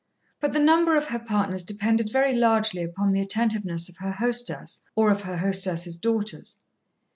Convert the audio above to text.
But the number of her partners depended very largely upon the attentiveness of her hostess or of her hostess's daughters.